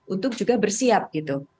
untuk juga bersiap gitu